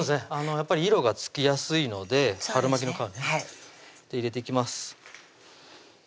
やっぱり色がつきやすいので春巻きの皮に入れていきます